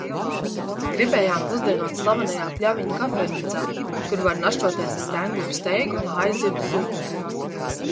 Gribējām pusdienot slavenajā Pļaviņu kafejnīcā, kur var našķoties ar ķengura steiku un haizivs zupu.